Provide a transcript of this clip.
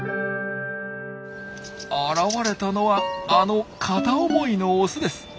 現れたのはあの片思いのオスです。